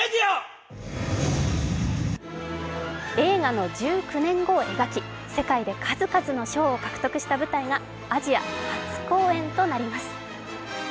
映画の１９年後を描き、世界で数々の賞を獲得した舞台がアジア初公演となります。